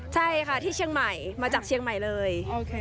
ใช่ค่ะที่เชียงใหม่มาจากเชียงใหม่เลย